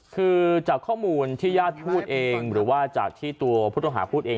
คือจากข้อมูลที่ญาติพูดเองหรือว่าจากที่ตัวผู้ต้องหาพูดเอง